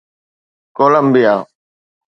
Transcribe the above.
Colombia